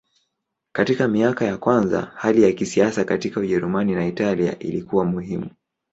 Katika miaka ya kwanza hali ya kisiasa katika Ujerumani na Italia ilikuwa muhimu.